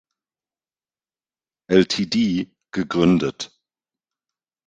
Ltd“ gegründet.